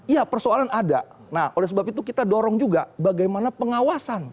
ya persoalan ada nah oleh sebab itu kita dorong juga bagaimana pengawasan